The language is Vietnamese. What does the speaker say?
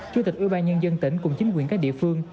chủ tịch yêu ban nhân dân tỉnh cùng chính quyền các địa phương